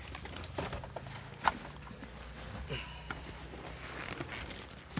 yuk dimas anterin pulang